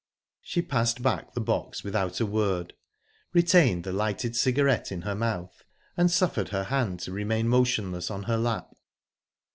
She passed back the box without a word, retained the lighted cigarette in her mouth, and suffered her hand to remain motionless on her lap.